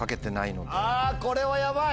あこれはヤバい！